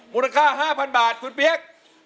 มูลค่า๕๐๐บาทคุณเปี๊ยก